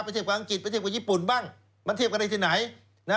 เทียบกับอังกฤษไปเทียบกับญี่ปุ่นบ้างมันเทียบกันได้ที่ไหน